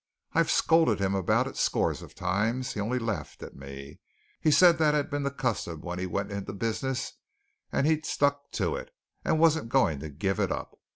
I've scolded him about it scores of times; he only laughed at me; he said that had been the custom when he went into the business, and he'd stuck to it, and wasn't going to give it up.